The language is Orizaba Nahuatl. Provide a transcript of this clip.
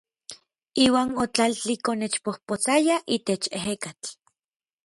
Iuan otlaltlikonexpopotsayaj itech ejekatl.